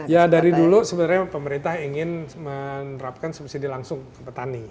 ya dari dulu sebenarnya pemerintah ingin menerapkan subsidi langsung ke petani